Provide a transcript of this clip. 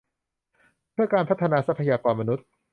เพื่อการพัฒนาทรัพยากรมนุษย์